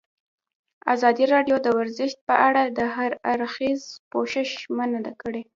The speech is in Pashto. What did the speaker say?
ازادي راډیو د ورزش په اړه د هر اړخیز پوښښ ژمنه کړې.